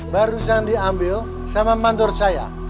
barusan diambil sama mandor saya